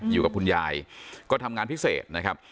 อยู่กับคุณยายก็ทำงานพิเศษนะครับ